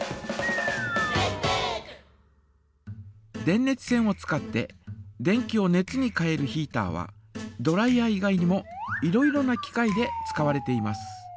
電熱線を使って電気を熱に変えるヒータはドライヤー以外にもいろいろな機械で使われています。